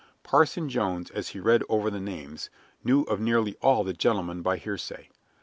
Parson Jones, as he read over the names, knew of nearly all the gentlemen by hearsay.